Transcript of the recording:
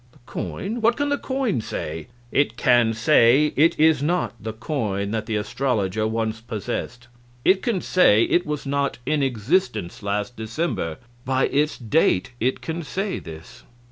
"The coin? What can the coin say?" "It can say it is not the coin that the astrologer once possessed. It can say it was not in existence last December. By its date it can say this."